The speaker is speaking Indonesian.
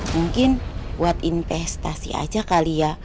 mungkin buat investasi aja kali ya